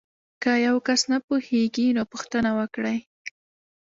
که یو کس نه پوهیږي نو پوښتنه وکړئ.